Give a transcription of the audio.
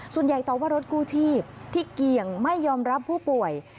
ส่วนใหญ่ตอบว่ารถกลูทีบที่เกี่ยงไม่ยอมรับผู้ป่วย